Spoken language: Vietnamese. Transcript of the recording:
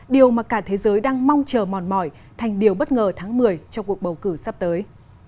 điều mà cả thế giới đang mong chờ mòn mỏi thành điều bất ngờ tháng một mươi trong cuộc bầu cử sắp tới